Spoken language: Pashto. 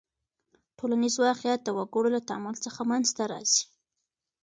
ټولنیز واقعیت د وګړو له تعامل څخه منځ ته راځي.